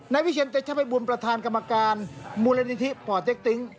ในวิเชียร์เจชับให้บุญประธานกรรมการมูลนิธิป่อเจ๊กติ๊ง